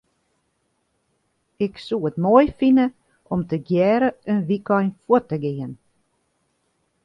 Ik soe it moai fine om tegearre in wykein fuort te gean.